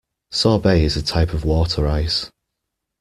Sorbet is a type of water ice